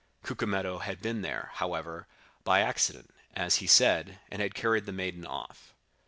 Cucumetto had been there, however, by accident, as he said, and had carried the maiden off.